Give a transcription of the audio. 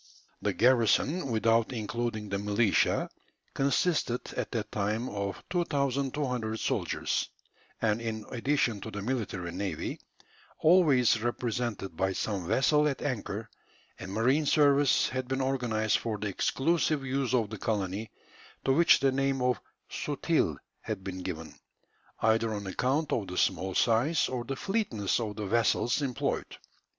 The garrison, without including the militia, consisted at that time of 2200 soldiers; and, in addition to the military navy, always represented by some vessel at anchor, a marine service had been organized for the exclusive use of the colony, to which the name of "sutil" had been given, either on account of the small size, or the fleetness of the vessels employed.